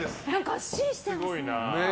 がっしりしてますね。